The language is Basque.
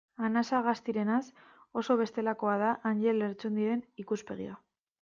Anasagastirenaz oso bestelakoa da Anjel Lertxundiren ikuspegia.